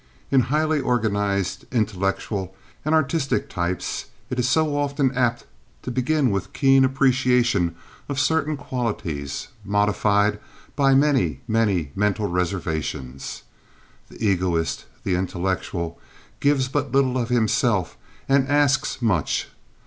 In highly organized intellectual and artistic types it is so often apt to begin with keen appreciation of certain qualities, modified by many, many mental reservations. The egoist, the intellectual, gives but little of himself and asks much.